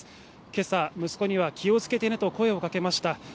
けさ息子には、気をつけてねと声をかけました。